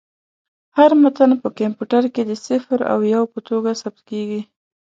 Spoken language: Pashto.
هر متن په کمپیوټر کې د صفر او یو په توګه ثبت کېږي.